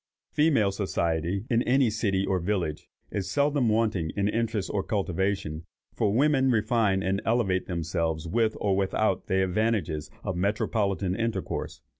Female society, in any city or village, is seldom wanting in interest or cultivation; for women refine and elevate themselves with or without the advantages of metropolitan intercourse.